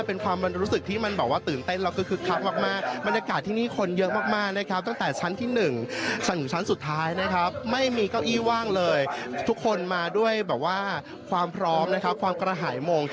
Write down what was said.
เพื่อความพร้อมความกระหายมง